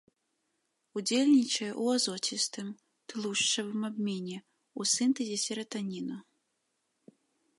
Удзельнічае ў азоцістым, тлушчавым абмене, у сінтэзе сератаніну.